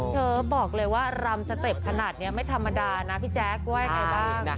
เธอบอกเลยว่ารำสเต็ปขนาดนี้ไม่ธรรมดานะพี่แจ๊คว่ายังไงบ้าง